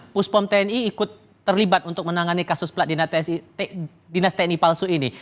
puspom tni ikut terlibat untuk menangani kasus dinas tni palsu ini